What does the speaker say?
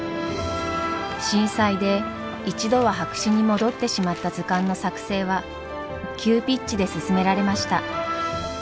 震災で一度は白紙に戻ってしまった図鑑の作成は急ピッチで進められました。